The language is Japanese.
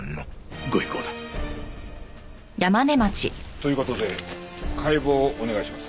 という事で解剖をお願いします。